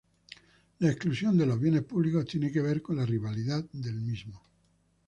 La exclusión de los bienes públicos tiene que ver con la rivalidad del mismo.